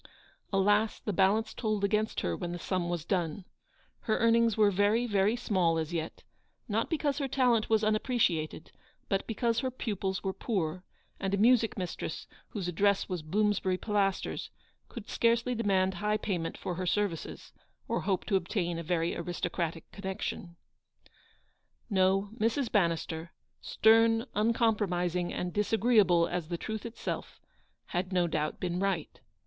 Alas ! the balance told against her when the sum was done. Her earnings were very, very small as yet ; not because her talent was unappre ciated, but because her pupils were poor, and a music mistress, whose address was Bloomsbury Pilasters, could scarcely demand high payment for her services, or hope to obtain a very aristocratic connection. No, Mrs. Bannister — stern, uncompromising, and disagreeable as the truth itself — had no doubt been right.